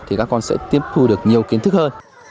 thì các con sẽ tiếp thu được nhiều kiến thức hơn